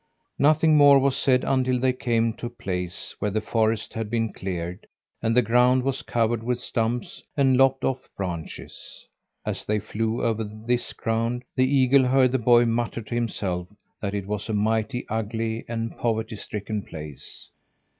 Nothing more was said until they came to a place where the forest had been cleared, and the ground was covered with stumps and lopped off branches. As they flew over this ground, the eagle heard the boy mutter to himself that it was a mighty ugly and poverty stricken place.